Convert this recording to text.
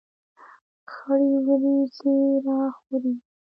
خړې ورېځې را خورې دي.